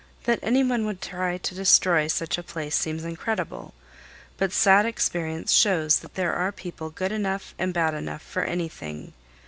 That any one would try to destroy such a place seems incredible; but sad experience shows that there are people good enough and bad enough for anything.